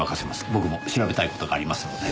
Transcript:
僕も調べたい事がありますので。